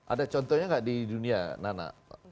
ada contohnya nggak di dunia nana